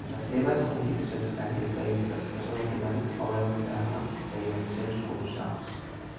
Les seves conviccions antiesclavistes i el seu matrimoni obren un drama de dimensions colossals.